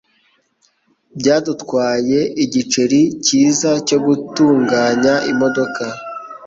Byadutwaye igiceri cyiza cyo gutunganya imodoka.